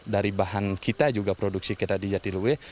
dari bahan kita juga produksi kita di jatiluwe